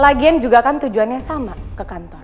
lagian juga kan tujuannya sama ke kantor